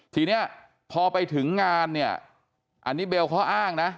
ทีนี้พอไปถึงงานเนี่ยอันนี้เบลเขาอ้างนะ